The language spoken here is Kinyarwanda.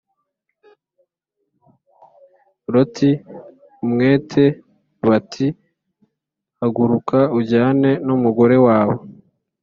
Loti umwete bati Haguruka ujyane n umugore wawe